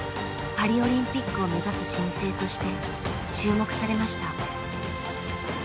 パリオリンピックを目指す新星として注目されました。